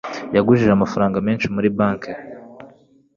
yagujije amafaranga menshi muri banki.